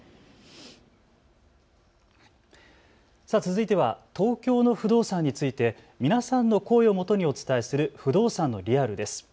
続いては東京の不動産について皆さんの声をもとにお伝えする不動産のリアルです。